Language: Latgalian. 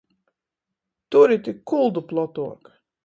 Turi tik kuldu plotuok!